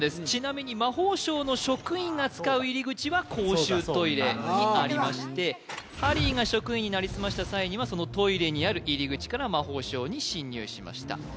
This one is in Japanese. ちなみに魔法省の職員が使う入り口は公衆トイレにありましてハリーが職員になりすました際にはそのトイレにある入り口から魔法省に侵入しました